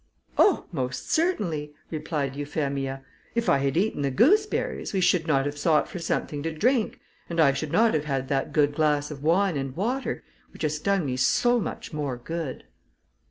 "Oh, most certainly," replied Euphemia, "if I had eaten the gooseberries, we should not have sought for something to drink, and I should not have had that good glass of wine and water, which has done me so much more good."